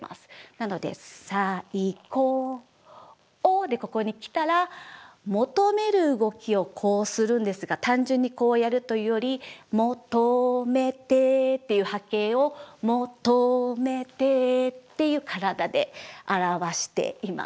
なので「最高を」でここに来たら求める動きをこうするんですが単純にこうやるというより「求めて」っていう波形を「求めて」っていう体で表しています。